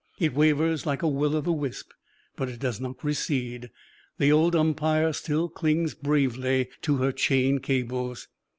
It wavers like a will o' the wisp, but it does not recede; the old Umpire still clings bravely to her chain cables.